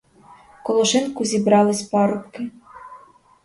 Коло шинку зібрались парубки.